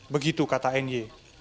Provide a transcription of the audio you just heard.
begitu kata n y